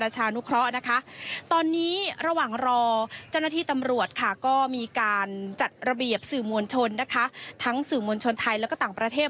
จัดระเบียบสื่อมวลชนนะคะทั้งสื่อมวลชนไทยแล้วก็ต่างประเทศ